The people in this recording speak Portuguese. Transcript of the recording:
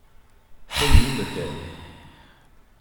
Foi Linda Keller!